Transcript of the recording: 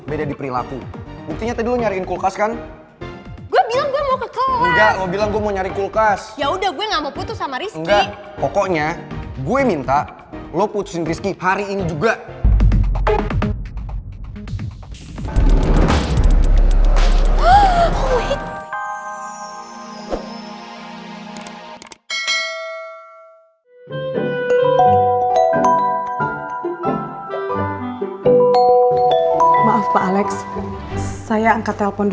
maaf pak alex saya angkat telpon dulu ya pak